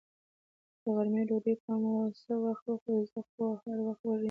د غرمې ډوډۍ به څه وخت خورو؟ زه خو هر وخت وږې یم.